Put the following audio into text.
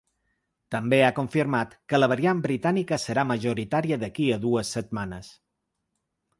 També ha confirmat que la variant britànica serà majoritària d’aquí a dues setmanes.